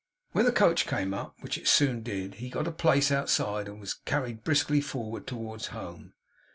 When the coach came up, which it soon did, he got a place outside and was carried briskly onward towards home.